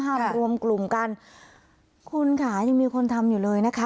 รวมกลุ่มกันคุณค่ะยังมีคนทำอยู่เลยนะคะ